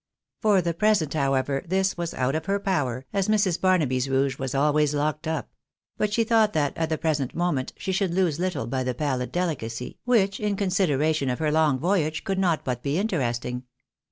For the present, however, this was out of her power, as Mrs. Barnaby's rouge was always locked up ; but she thought that at the present moment she should lose httle by the palhd deUcacy, which, in consideration of her long voyage, could not but be interesting.